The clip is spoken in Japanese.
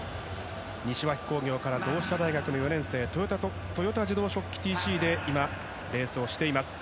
西脇工業から同志社大学の４年生豊田自動織機ＴＣで今、レースしています。